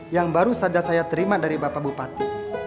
yang baru saja saya terima dari bapak bupati